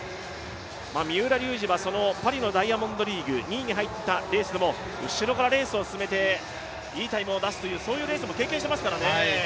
三浦龍司はパリのダイヤモンドリーグ、２位に入ったレースでも、後ろからレースを進めていいタイムを出すというそういうレースも経験してますからね。